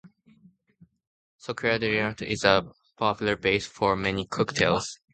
Sockerdricka is a popular base for many cocktails.